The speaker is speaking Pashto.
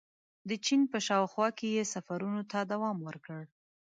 • د چین په شاوخوا کې یې سفرونو ته دوام ورکړ.